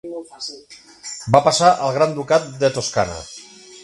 Va passar al Gran ducat de Toscana.